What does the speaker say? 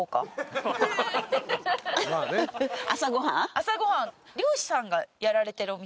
朝ご飯。